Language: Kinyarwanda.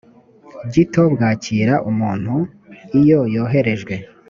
gito bwakira umuntu iyo yoherejwe